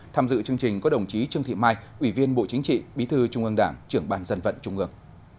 tham dự chương trình có đồng chí trương thị mai ủy viên bộ chính trị bí thư trung ương đảng trưởng bàn dân vận trung ương